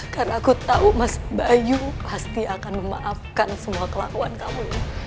karena aku tahu mas bayu pasti akan memaafkan semua kelakuan kamu